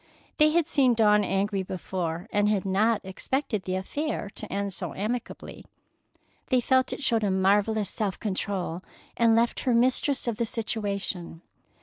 They had seen Dawn angry before, and had not expected the affair to end so amicably. They felt it showed a marvellous self control, and left her mistress of the situation.